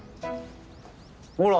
ほら！